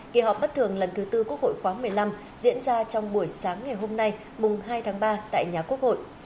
kỳ họp bất thường lần thứ tư quốc hội khóa một mươi năm diễn ra trong buổi sáng ngày hôm nay mùng hai tháng ba tại nhà quốc hội